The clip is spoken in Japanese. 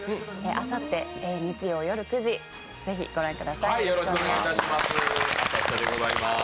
あさって日曜夜９時、ぜひ御覧ください。